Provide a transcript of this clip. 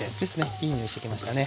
いい匂いしてきましたね。